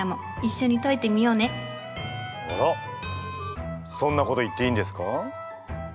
あらそんなこと言っていいんですか？